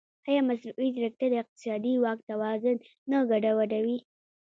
ایا مصنوعي ځیرکتیا د اقتصادي واک توازن نه ګډوډوي؟